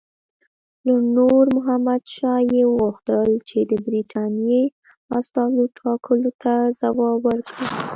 له نور محمد شاه یې وغوښتل چې د برټانیې استازو ټاکلو ته ځواب ورکړي.